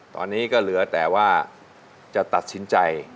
ตอนนี้ก็เหลือแต่ว่าจะตัดสินใจ